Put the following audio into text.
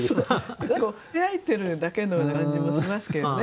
何かこうつぶやいてるだけのような感じもしますけれどもね